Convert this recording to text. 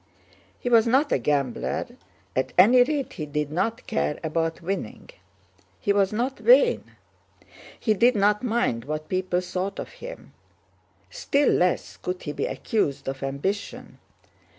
He was not a gambler, at any rate he did not care about winning. He was not vain. He did not mind what people thought of him. Still less could he be accused of ambition.